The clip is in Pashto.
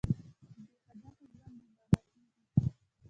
بېهدفه ژوند بېمانا کېږي.